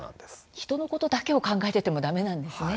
人のことだけを考えていてもだめなんですね。